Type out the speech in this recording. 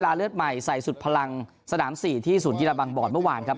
เลือดใหม่ใส่สุดพลังสนาม๔ที่ศูนย์กีฬาบังบอร์ดเมื่อวานครับ